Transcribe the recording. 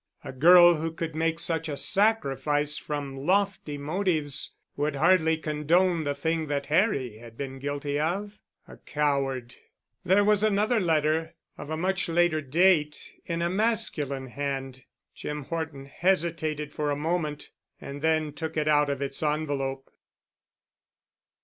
A girl who could make such a sacrifice from lofty motives, would hardly condone the thing that Harry had been guilty of. A coward.... There was another letter, of a much later date, in a masculine hand. Jim Horton hesitated for a moment! and then took it out of its envelope.